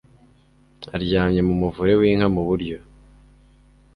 aryamye mu muvure w inka mu buryo